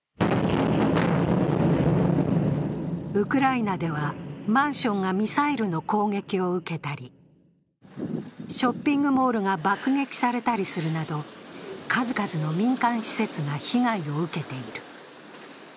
ウクライナではマンションがミサイルの攻撃を受けたり、ショッピングモールが爆撃されたりするなど、数々の民間施設が被害を受けている。